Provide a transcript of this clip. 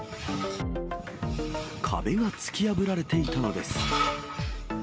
壁が突き破られていたのです。